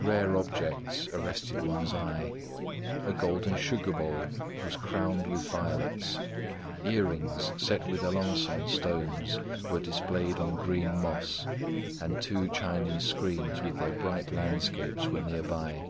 Rare objects arrested one's eye. A golden sugar bowl was crowned with violets, earrings set with Alençon stones were displayed on green moss, and two Chinese screens with their bright landscapes were near by.